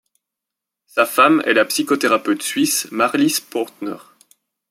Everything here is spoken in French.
Sa femme est la psychothérapeute suisse Marlis Pörtner.